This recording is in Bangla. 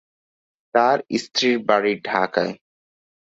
তার স্ত্রীর বাড়ি ঢাকায়।